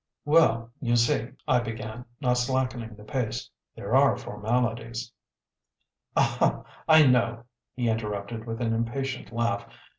"Well, you see," I began, not slackening the pace "there are formalities " "Ah, I know," he interrupted, with an impatient laugh.